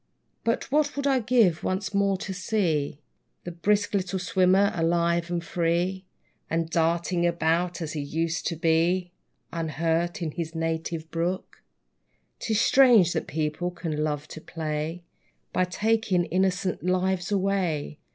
But, what would I give, once more to see The brisk little swimmer alive and free, And darting about as he used to be, Unhurt, in his native brook! 'Tis strange that people can love to play, By taking innocent lives away!